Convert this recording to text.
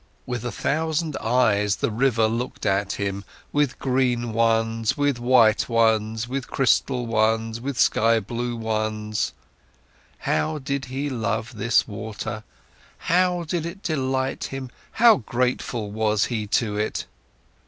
With a thousand eyes, the river looked at him, with green ones, with white ones, with crystal ones, with sky blue ones. How did he love this water, how did it delight him, how grateful was he to it!